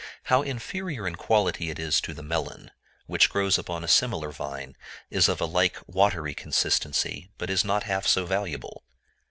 How inferior in quality it is to the melon, which grows upon a similar vine, is of a like watery consistency, but is not half so valuable!